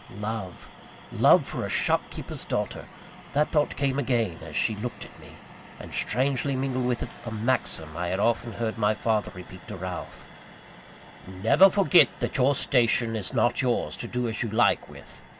Love! love for a shopkeeper's daughter! That thought came again, as she looked at me! and, strangely mingled with it, a maxim I had often heard my father repeat to Ralph "Never forget that your station is not yours, to do as you like with.